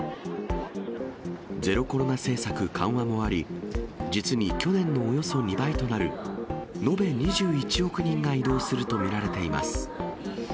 ゼロコロナ政策緩和もあり、実に去年のおよそ２倍となる延べ２１億人が移動すると見られています。